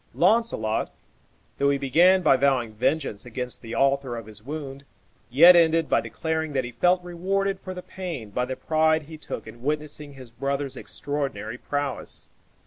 Launcelot, though he began by vowing vengeance against the author of his wound, yet ended by declaring that he felt rewarded for the pain by the pride he took in witnessing his brother's extraordinary prowess.